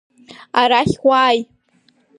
Арахь уааи!